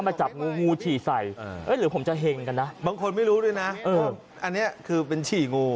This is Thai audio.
มาจับงูงูฉี่ใส่หรือผมจะเห็งกันนะบางคนไม่รู้ด้วยนะอันนี้คือเป็นฉี่งู